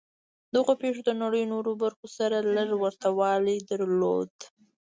دغو پېښو د نړۍ نورو برخو سره لږ ورته والی درلود